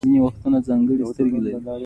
پریږده یې داموضوع دبحث وړ نه ده .